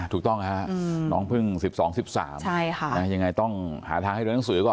ถูกต้องค่ะน้องพึ่ง๑๒๑๓ยังไงต้องหาทางให้เรียนหนังสือก่อน